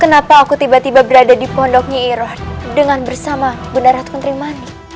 kenapa aku tiba tiba berada di pondok nyi iroh dengan bersama bunda ratu kenterimani